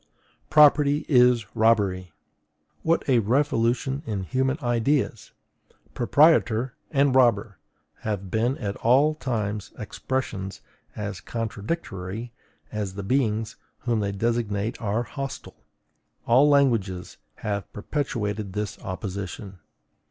PROPERTY IS ROBBERY!... What a revolution in human ideas! PROPRIETOR and ROBBER have been at all times expressions as contradictory as the beings whom they designate are hostile; all languages have perpetuated this opposition.